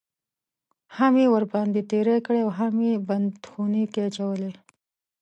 هم یې ورباندې تېری کړی اوهم یې بند خونه کې اچولی.